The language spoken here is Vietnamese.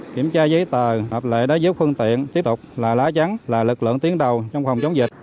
kiểm tra giấy tờ hợp lệ đá dứt phương tiện tiếp tục là lá trắng là lực lượng tiến đầu trong phòng chống dịch